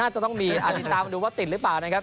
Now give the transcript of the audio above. จะต้องมีติดตามดูว่าติดหรือเปล่านะครับ